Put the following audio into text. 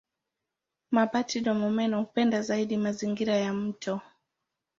Mabata-domomeno hupenda zaidi mazingira ya mito.